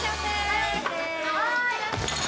はい！